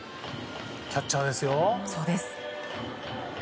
キャッチャーですよ。